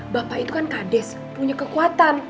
bapak itu kan kades punya kekuatan